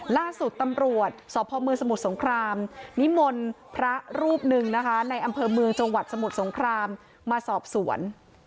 ล่าสุดตำรวจสพมสมุทรสงครามนิมนต์พระรูปหนึ่งนะคะในอำเภอเมืองจังหวัดสมุทรสงครามมาสอบสวน